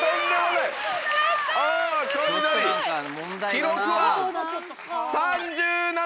記録は。